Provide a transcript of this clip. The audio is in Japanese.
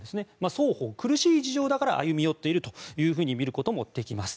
双方苦しい事情だから歩み寄っているというふうにみることもできます。